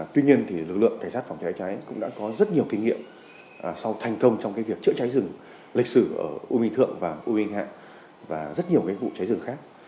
tuy nhiên lực lượng cảnh sát phòng cháy cháy cũng đã có rất nhiều kinh nghiệm sau thành công trong việc chữa cháy rừng lịch sử ở u minh thượng và u minh hạ và rất nhiều vụ cháy rừng khác